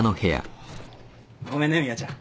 ごめんね宮ちゃん。